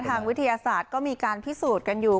ทางวิทยาศาสตร์ก็มีการพิสูจน์กันอยู่